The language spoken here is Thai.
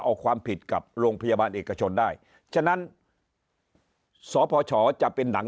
เอาความผิดกับโรงพยาบาลเอกชนได้ฉะนั้นสพชจะเป็นหนัง